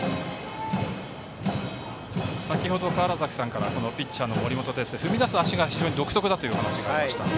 先程、川原崎さんからピッチャーの森本哲星は踏み出す足が独特だという話がありました。